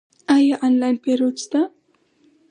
آیا آنلاین پیرود شته؟